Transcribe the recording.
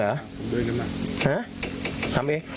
ลูกทำเองหรอ